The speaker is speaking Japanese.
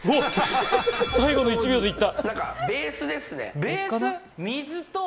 最後の１秒でいった。